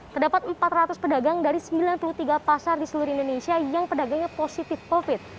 terdapat empat ratus pedagang dari sembilan puluh tiga pasar di seluruh indonesia yang pedagangnya positif covid